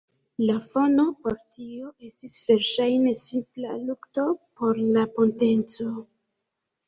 La fono por tio estis verŝajne simpla lukto por la potenco.